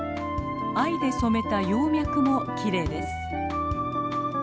藍で染めた葉脈もきれいです。